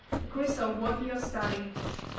A crystal worthy of study. No.